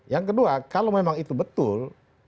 yang kedua kalau memang itu betul